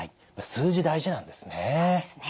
数字大事なんですね。